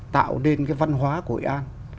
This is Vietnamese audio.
tạo nên cái văn hóa của hội an